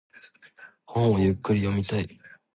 本をゆっくり読みたい。